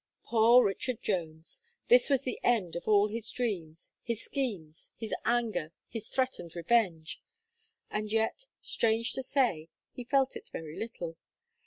Poor Richard Jones! This was the end of all his dreams, his schemes, his anger, his threatened revenge! And yet, strange to say, he felt it very little.